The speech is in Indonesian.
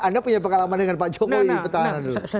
anda punya pengalaman dengan pak jokowi di petahana dulu